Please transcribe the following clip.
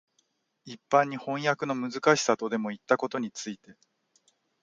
一般に飜訳のむずかしさとでもいったことについて、